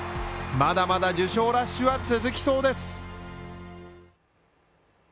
まだまだ受賞ラッシュは続きそうです。